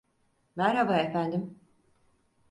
Merhaba efendim.